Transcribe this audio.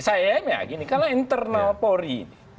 saya emang ya gini karena internal polri